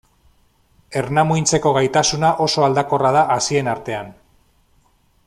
Ernamuintzeko gaitasuna oso aldakorra da hazien artean.